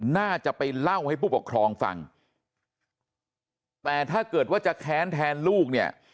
น่าจะไปเล่าให้ผู้ปกครองฟังแต่ถ้าเกิดว่าจะแค้นแทนลูกเนี่ย